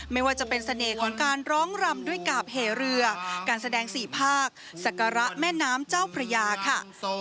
ไม่ว่าจะเป็นเสน่ห์ของการร้องรำด้วยกาบเหเรือการแสดงสี่ภาคศักระแม่น้ำเจ้าพระยาค่ะ